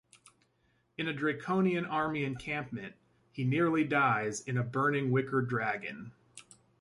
In a draconian army encampment, he nearly dies in a burning wicker dragon.